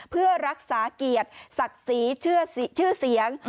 เพื่อรักษาเกียรติศักดิ์ศรีชื่อเสียง